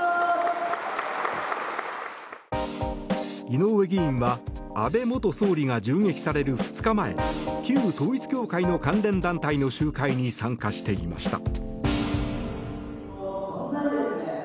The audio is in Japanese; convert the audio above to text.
井上議員は安倍元総理が銃撃される２日前旧統一教会の関連団体の集会に参加していました。